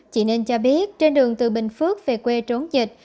chị ninh cho biết trên đường từ bình phước về quê trốn dịch